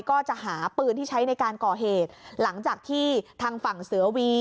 ก็จะหาปืนที่ใช้ในการก่อเหตุหลังจากที่ทางฝั่งเสือวี